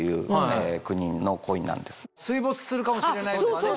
水没するかもしれないとかね。